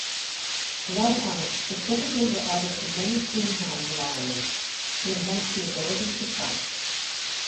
Bloodhounds specifically were added to many coonhound lines to enhance the ability to track.